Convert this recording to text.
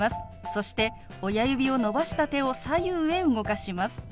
そして親指を伸ばした手を左右へ動かします。